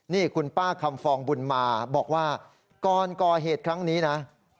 นี่คุณป้าคำฟองบุญมาบอกว่าก่อนก่อเหตุครั้งนี้นะ